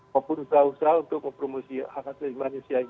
walaupun usaha usaha untuk mempromosi hak asasi manusia